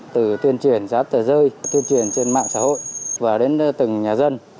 từ tuyên truyền giá tờ rơi tuyên truyền trên mạng xã hội và đến từng nhà dân